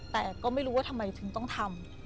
แต่ก็ไม่รู้ว่าทำไมถึงต้องทำ